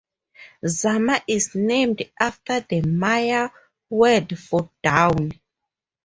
Zama is named after the Maya word for "dawn".